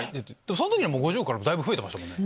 その時にも５０億からだいぶ増えてましたもんね。